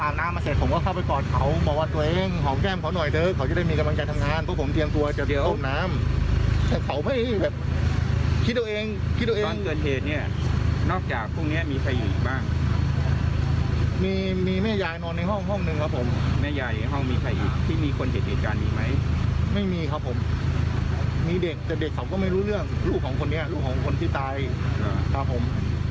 ไม่มีครับผมมีเด็กแต่เด็กเขาก็ไม่รู้เรื่องลูกของคนนี้ลูกของคนที่ตายครับผม